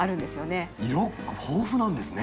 色豊富なんですね。